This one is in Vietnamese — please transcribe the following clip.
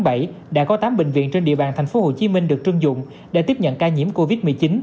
hai mươi tám bệnh viện trên địa bàn thành phố hồ chí minh được trưng dụng để tiếp nhận ca nhiễm covid một mươi chín